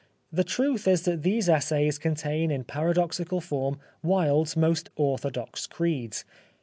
The truth is that these essays contain in paradoxical form Wilde's most orthodox creeds.